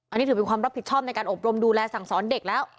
อันนี้ถือเป็นความรับผิดชอบในการอบรมดูแลสั่งสอนเด็กแล้ว